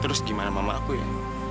terus gimana mama aku ya